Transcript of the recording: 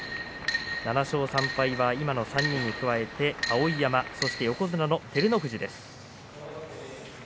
７勝３敗、今の３人に加えて碧山、そして横綱照ノ富士です。